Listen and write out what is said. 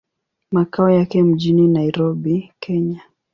Makao yake mjini Nairobi, Kenya.